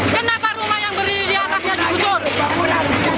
kenapa rumah yang berdiri di atasnya digusur